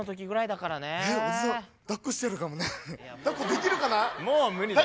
だっこできるかね？